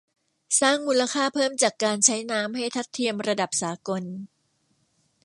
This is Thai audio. สร้างมูลค่าเพิ่มจากการใช้น้ำให้ทัดเทียมระดับสากล